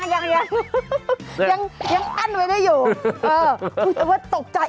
ยังยังอั้นไว้ได้อยู่เออแต่ว่าตกใจ